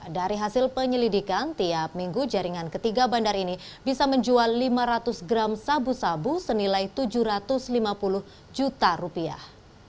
dari hasil penyelidikan tiap minggu jaringan ketiga bandar ini bisa menjual lima ratus gram sabu sabu senilai tujuh ratus lima puluh juta rupiah